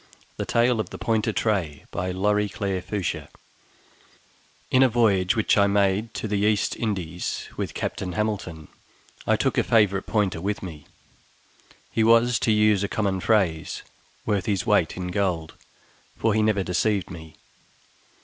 THE TALE OF THE POINTER TRAY In a voyage which I made to the East Indies with Captain Hamilton, I took a favorite pointer with me; he was, to use a common phrase, worth his weight in gold, for he never deceived me.